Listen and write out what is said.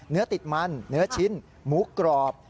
เนื้อติดมันเนื้อชิ้นหมูกรอบ